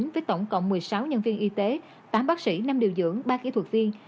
với tổng cộng một mươi sáu nhân viên y tế tám bác sĩ năm điều dưỡng ba kỹ thuật viên